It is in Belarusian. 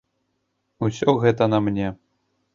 Усё гэта на мне.